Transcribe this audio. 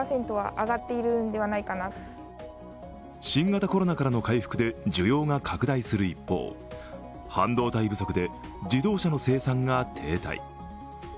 新型コロナからの回復で需要が回復する一方半導体不足で自動車の生産が停滞。